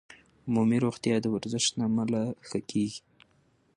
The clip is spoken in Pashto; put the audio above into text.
عمومي روغتیا د ورزش له امله ښه کېږي.